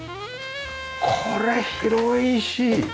これ広いし。